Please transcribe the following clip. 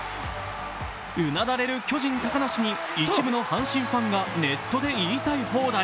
うなだれる巨人・高梨に一部の阪神ファンがネットで言いたい放題。